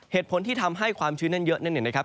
เหตุผลที่ทำให้ความชื้นนั้นเยอะนั่นเนี่ยนะครับ